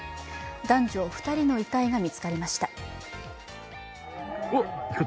男女２人の遺体が見つかりました。